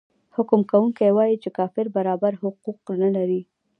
حکم کوونکی وايي چې کافر برابر حقوق نلري.